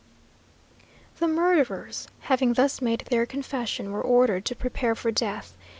The murderers having thus made their confession, were ordered to prepare for death.